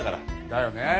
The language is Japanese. だよねえ。